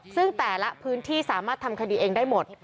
ซึ่งแต่ละพื้นที่สามารถทำคดีเองได้หมด